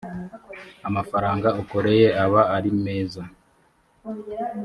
amafaranga ukoreye aba arimeza